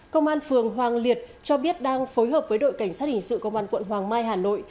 công an phường hoàng liệt cho biết đang phối hợp với đội cảnh sát hình sự công an quận hoàng mai hà nội